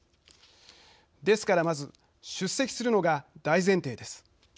ですからまず出席するのが大前提です。